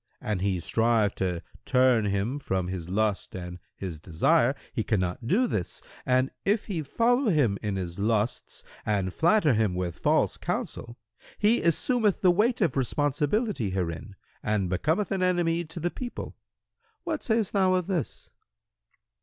An he strive to turn him from his lust and his desire, he cannot do this, and if he follow him in his lusts and flatter him with false counsel, he assumeth the weight of responsibility herein and becometh an enemy to the people. What sayst thou of this?"